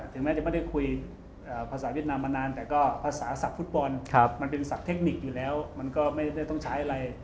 แม้จะไม่ได้คุยภาษาเวียดนามมานานแต่ก็ภาษาศักดิ์ฟุตบอลมันเป็นศักดิ์เทคนิคอยู่แล้วมันก็ไม่ได้ต้องใช้อะไร